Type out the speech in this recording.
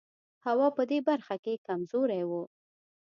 هوا په دې برخه کې کمزوری و.